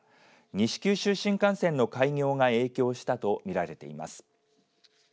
西九州新幹線の開業が影響したと見られています。